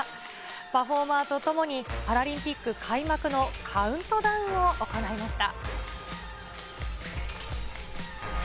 パフォーマーと共にパラリンピック開幕のカウントダウンを行いました。